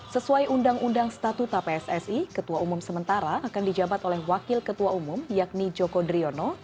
sesuai undang undang statuta pssi ketua umum sementara akan dijabat oleh wakil ketua umum yakni joko driono